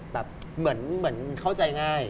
แบบเหมือนเข้าใจง่าย